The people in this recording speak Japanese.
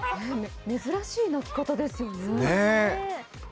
珍しい鳴き方ですよね。